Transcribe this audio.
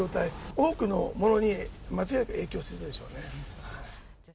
多くのものに間違いなく影響するでしょうね。